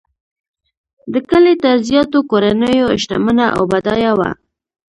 د کلي تر زیاتو کورنیو شتمنه او بډایه وه.